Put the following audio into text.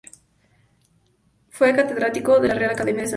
Fue catedrático de la Real Academia de San Luis.